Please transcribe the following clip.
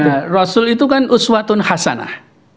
ya rasul itu kan uswatun hasanah